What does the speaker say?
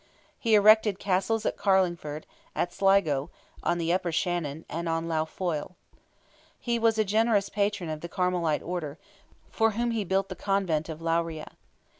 He erected castles at Carlingford, at Sligo, on the upper Shannon, and on Lough Foyle. He was a generous patron of the Carmelite Order, for whom he built the Convent of Loughrea.